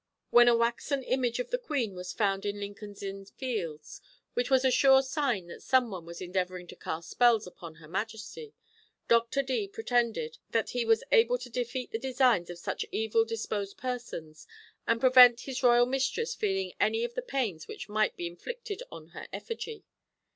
When a waxen image of the queen was found in Lincoln's Inn Fields, which was a sure sign that some one was endeavouring to cast spells upon her majesty, Dr. Dee pretended that he was able to defeat the designs of such evil disposed persons, and prevent his royal mistress feeling any of the pains which might be inflicted on her effigy.